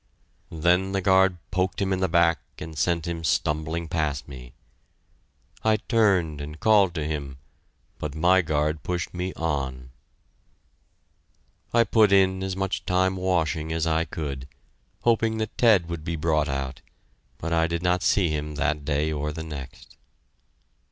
Then the guard poked him in the back and sent him stumbling past me. I turned and called to him, but my guard pushed me on. I put in as much time washing as I could, hoping that Ted would be brought out, but I did not see him that day or the next.